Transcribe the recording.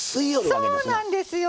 そうなんですよ！